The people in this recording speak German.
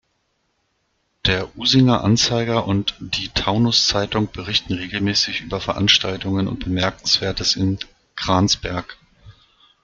Der "Usinger Anzeiger" und die "Taunus-Zeitung" berichten regelmäßig über Veranstaltungen und Bemerkenswertes in Kransberg.